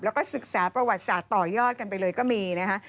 แล้วก็ศึกษาประวัติศาสตร์ต่อยอดกันไปเลยก็มีนะคะ